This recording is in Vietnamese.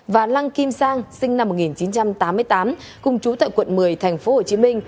và lăng kim sang sinh năm một nghìn chín trăm tám mươi tám cùng chú tại quận một mươi tp hcm